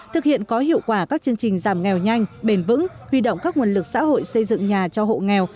thực hiện có hiệu quả các chương trình giảm nghèo nhanh bền vững huy động các nguồn lực xã hội xây dựng nhà cho hộ nghèo